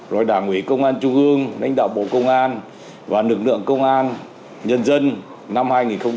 rồi đảng ủy công an trung ương lãnh đạo bộ công an và lực lượng công an nhân dân năm hai nghìn hai mươi ba